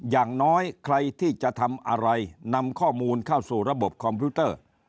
อย่างน้อยใครที่จะทำอะไรนำข้อมูลเข้าสู่ระบบคอมพิวเตอร์